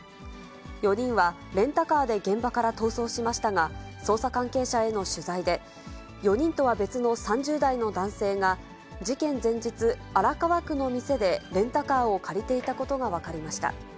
４人は、レンタカーで現場から逃走しましたが、捜査関係者への取材で、４人とは別の３０代の男性が、事件前日、荒川区の店でレンタカーを借りていたことが分かりました。